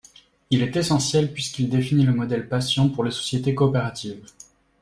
Il est essentiel puisqu’il définit le modèle patient pour les sociétés coopératives.